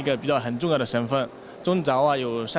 sebuah kepentingan yang penting di indonesia